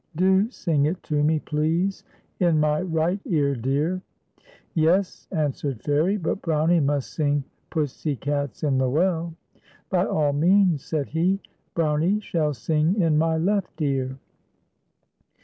Do sing it to me, please. In m\ right ear, dear." "Yes," answered Fairie; "but Brownie must sing, 'Pussy cat's in the well.'" " By all means," said he ;" Brownie shall sing in my left ear."